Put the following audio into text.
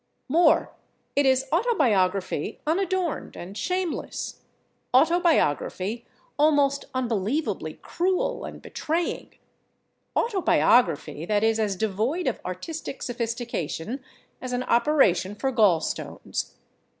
More, it is autobiography unadorned and shameless, autobiography almost unbelievably cruel and betraying, autobiography that is as devoid of artistic sophistication as an operation for gall stones.